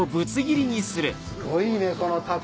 すごいねこのタコ！